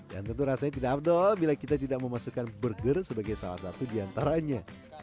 dan tentu rasanya tidak abdol bila kita tidak memasukkan burger sebagai salah satu diantaranya